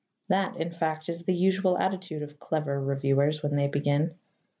That, in fact, is the usual attitude of clever reviewers when they begin.